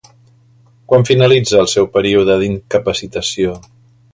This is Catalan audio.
Quan finalitza el seu període d'incapacitació?